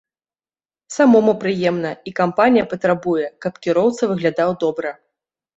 Самому прыемна і кампанія патрабуе, каб кіроўца выглядаў добра.